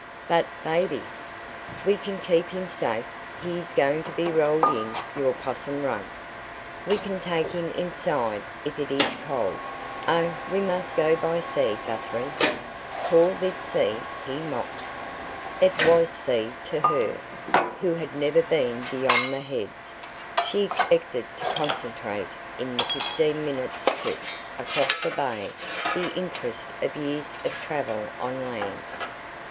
"But baby?" "We can keep him safe. He is going to be rolled in your 'possum rug. We can take him inside if it is cold. Oh, we MUST go by sea, Guthrie!" "Call this sea?" he mocked. It was sea to her, who had never been beyond the Heads. She expected to concentrate in the fifteen minutes' trip across the bay the interest of years of travel on land.